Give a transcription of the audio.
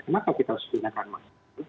kenapa kita harus gunakan masker